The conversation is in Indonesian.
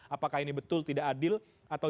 apakah ini betul tidak adil atau